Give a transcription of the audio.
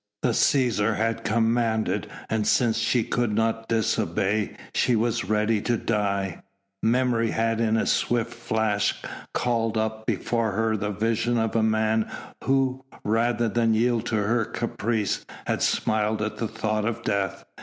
The Cæsar had commanded and since she could not disobey she was ready to die; memory had in a swift flash called up before her the vision of a man who, rather than yield to her caprice, had smiled at the thought of death.